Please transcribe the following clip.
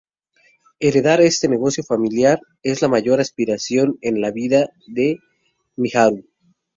Heredar este negocio familiar es la mayor aspiración en la vida de Miharu.